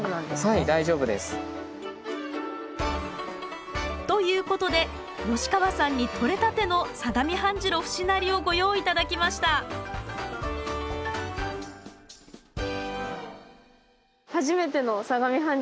はい大丈夫です。ということで吉川さんにとれたての相模半白節成をご用意頂きました初めての相模半白節成です。